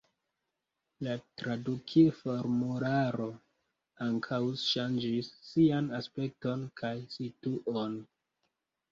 La tradukil-formularo ankaŭ ŝanĝis sian aspekton kaj situon.